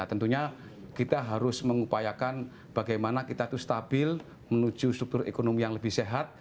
tentunya kita harus mengupayakan bagaimana kita itu stabil menuju struktur ekonomi yang lebih sehat